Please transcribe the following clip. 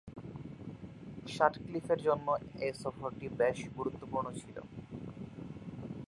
সাটক্লিফের জন্য এ সফরটি বেশ গুরুত্বপূর্ণ ছিল।